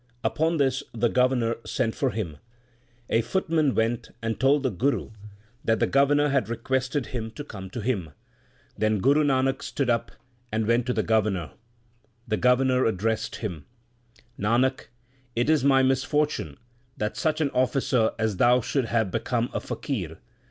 Upon this the Governor sent for him. A footman went and told the Guru that the Governor had requested him to come to him. Then Guru Nanak stood up and went to the Governor. The Governor addressed him, Nanak, it is my misfor tune that such an officer as thou should have become a faqir.